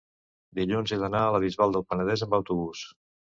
dilluns he d'anar a la Bisbal del Penedès amb autobús.